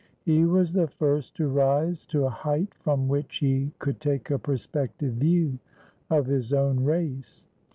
He was the first to rise to a height from which he could take a perspective view of his own race.